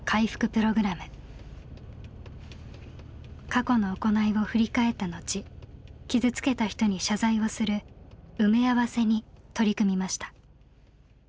過去の行いを振り返った後傷つけた人に謝罪をする「埋め合わせ」に取り組みました。